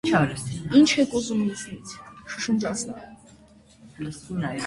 - Ի՞նչ եք ուզում ինձնից,- շշնջաց նա: